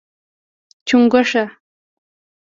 🐸 چنګوښه